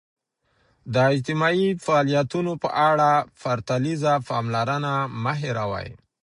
د اجتماعي فعالیتونو په اړه پرتلیزه پاملرنه مه هېروئ.